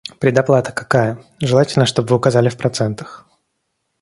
Предоплата какая? Желательно, чтобы вы указали в процентах.